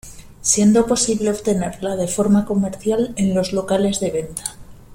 Siendo posible obtenerla de forma comercial en los locales de venta.